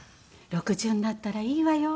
６０になったらいいわよ